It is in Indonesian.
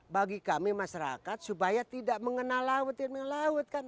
bagi kami masyarakat supaya tidak mengenal laut